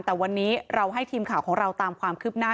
แต่วันนี้เราให้ทีมข่าวของเราตามความคืบหน้า